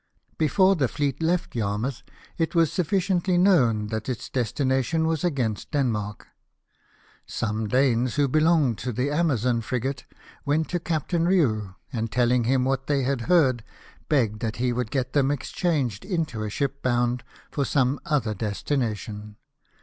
Before the Heet left Yarmouth it was sufficiently known that its destina tion was ao^ainst Denmark. Some Danes who belono^ed to the Amazon frigate went to Captain Riou, and telling him what they had heard, begged that he would get them exchanged into a ship bound on some other destination.